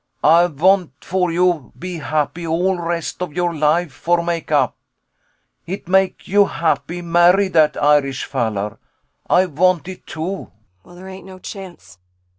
Ay vant for you be happy all rest of your life for make up! It make you happy marry dat Irish fallar, Ay vant it, too. ANNA [Dully.] Well, there ain't no chance.